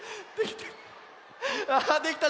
わできた！